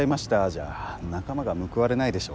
じゃ仲間が報われないでしょ。